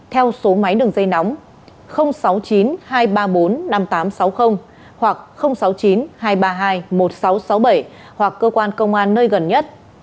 theo số máy đường dây nóng sáu mươi chín hai trăm ba mươi bốn năm nghìn tám trăm sáu mươi hoặc sáu mươi chín hai trăm ba mươi hai một nghìn sáu trăm sáu mươi bảy hoặc cơ quan công an nơi gần nhất